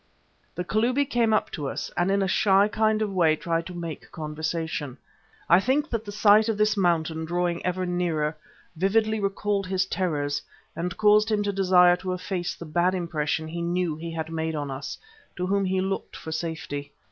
The Kalubi came up to us, and in a shy kind of way tried to make conversation. I think that the sight of this mountain, drawing ever nearer, vividly recalled his terrors and caused him to desire to efface the bad impression he knew he had made on us, to whom he looked for safety.